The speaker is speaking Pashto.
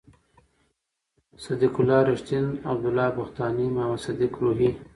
صد یق الله رېښتین، عبد الله بختاني، محمد صدیق روهي